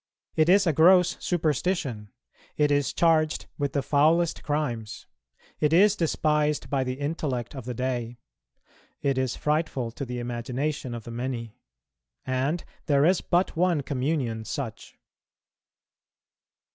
It is a gross superstition; it is charged with the foulest crimes; it is despised by the intellect of the day; it is frightful to the imagination of the many. And there is but one communion such.